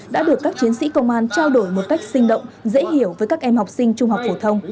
đã được các chiến sĩ công an trao đổi một cách sinh động dễ hiểu với các em học sinh trung học phổ thông